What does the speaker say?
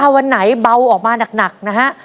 วันไหนเบาออกมาหนักนะฮะ